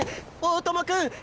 大友君！